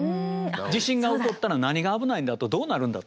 地震が起こったら何が危ないんだとどうなるんだと。